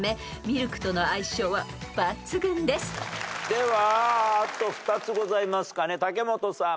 ではあと２つございますかね武元さん。